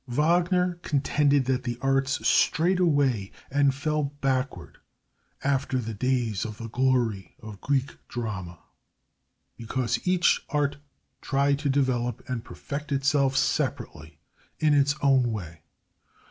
Wagner contended that the arts strayed away and fell backward after the days of the glory of Greek Drama, because each art tried to develop and perfect itself separately in its own way.